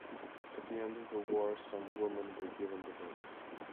At the end of the war some women were given the vote.